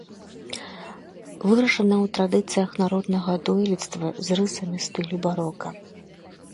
Вырашана ў традыцыях народнага дойлідства з рысамі стылю барока.